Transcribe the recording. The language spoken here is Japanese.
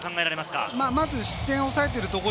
まず失点を抑えているところ。